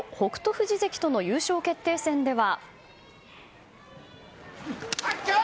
富士関との優勝決定戦では。